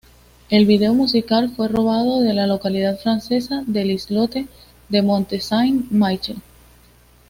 El vídeo musical fue rodado en la localidad francesa del islote de Monte Saint-Michel.